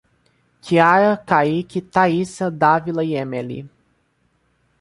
Kiara, Kayky, Thaissa, Davila e Emeli